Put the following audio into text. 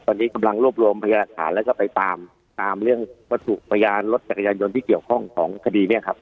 ตอนนี้กำลังรวบรวมพยาหลักฐานแล้วก็ไปตามตามเรื่องวัตถุพยานรถจักรยานยนต์ที่เกี่ยวข้องของคดีเนี่ยครับ